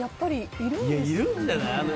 いるんじゃない？